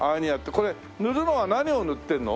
これ塗るのは何を塗ってるの？